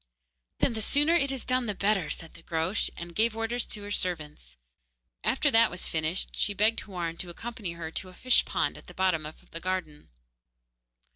'Then the sooner it is done the better,' said the Groac'h, and gave orders to her servants. After that was finished, she begged Houarn to accompany her to a fish pond at the bottom of the garden.